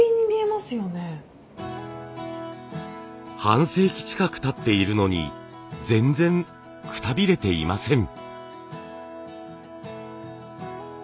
半世紀近くたっているのに全然くたびれていません。